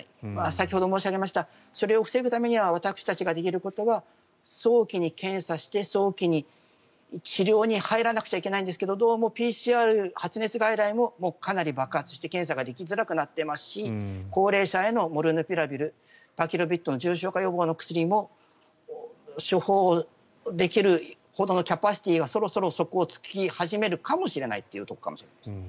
先ほど申し上げましたそれを防ぐためには私たちができることは早期に検査して早期に治療に入らなくちゃいけないんですがどうもＰＣＲ、発熱外来もかなり爆発して検査ができづらくなっていますし高齢者へのモルヌピラビルパキロビッドの重症化予防の薬も処方できるほどのキャパシティーがそろそろ底を突き始めるかもしれないというところです。